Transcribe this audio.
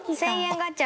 ガチャ。